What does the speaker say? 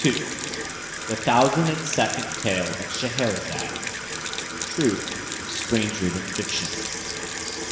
'" THE THOUSAND AND SECOND TALE OF SCHEHERAZADE Truth is stranger than fiction.